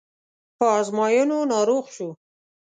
په ازموینو ناروغ شو.